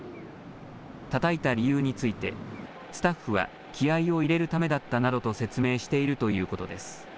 たたいた理由についてスタッフは気合いを入れるためだったなどと説明しているということです。